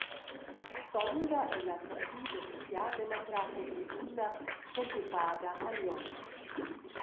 Sonda ei la Partida socialdemocrata grischuna s’entupada a Glion.